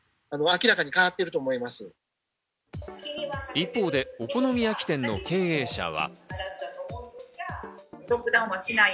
一方でお好み焼き店の経営者は。